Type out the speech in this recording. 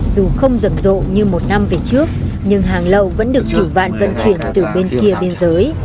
dù không rầm rộ như một năm về trước nhưng hàng lậu vẫn được chủ vạn vận chuyển từ bên kia biên giới